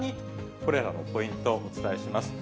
これらのポイントをお伝えします。